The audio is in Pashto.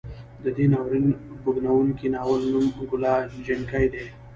د دې ناورین بوږنوونکي ناول نوم کلا جنګي دی.